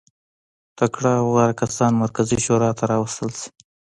تکړه او غوره کسان مرکزي شورا ته راوستل شي.